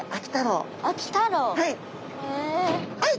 はい。